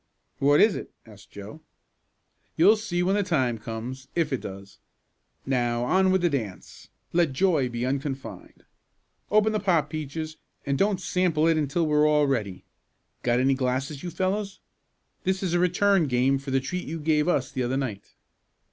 "What is it?" asked Joe. "You'll see when the time comes if it does. 'Now, on with the dance let joy be unconfined!' Open the pop, Peaches, and don't sample it until we're all ready. Got any glasses, you fellows? This is a return game for the treat you gave us the other night."